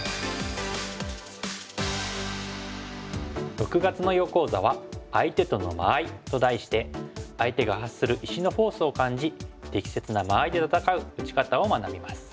６月の囲碁講座は「相手との間合い」と題して相手が発する石のフォースを感じ適切な間合いで戦う打ち方を学びます。